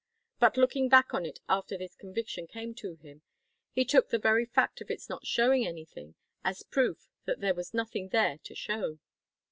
But looking back on it after this conviction came to him, he took the very fact of its not showing anything as proof that there was nothing there to show.